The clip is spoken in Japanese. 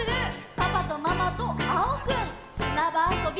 「パパとママとあおくん」「すなばあそび」